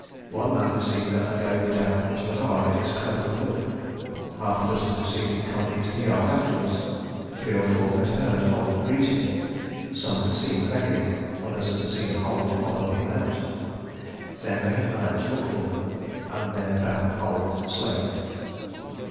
One man had seen Gunnar go down to the hard in his cloak and hood; half a dozen had seen him come into the yard afterwards; three or four had heard Halward greet him; some had seen the beckoning, others had seen Halward follow him out. Then they had gone out to look for them, and there found Halward slain.